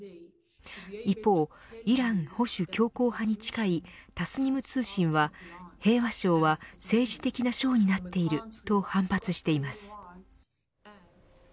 一方、イラン保守強硬派に近いタスニム通信は平和賞は政治的な賞になっていると反発しています。